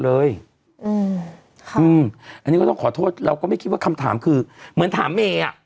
อันนี้ก็ต้องขอโทษเราก็ไม่คิดว่าคำถามคือเหมือนถามเมย์อ่ะ